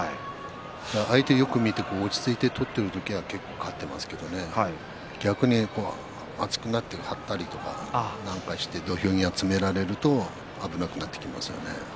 相手をよく見て落ち着いて取っている時は結構、勝っていますけれども逆に熱くなって張ったりとか土俵際攻められると危なくなってきますよね。